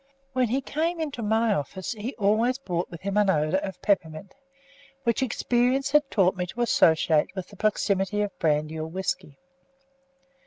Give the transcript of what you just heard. When he came into my office, he always brought with him an odour of peppermint, which experience had taught me to associate with the proximity of brandy or whisky.